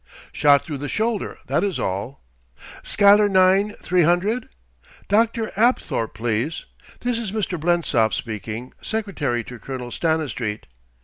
"Shot through the shoulder, that is all.... Schuyler nine, three hundred? Dr. Apthorp, please. This is Mr. Blensop speaking, secretary to Colonel Stanistreet....